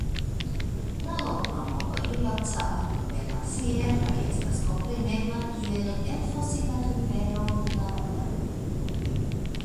La loknomo "Riocavado de la Sierra" estas komprenebla kiel Elfosita Rivero de la Montaro.